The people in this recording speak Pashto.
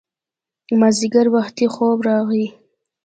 مازیګر وختي خوب راغی